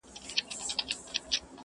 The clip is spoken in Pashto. بیا به په سرویس کي ښار ته تلم